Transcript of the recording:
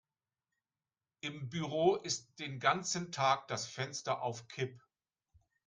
Im Büro ist den ganzen Tag das Fenster auf Kipp.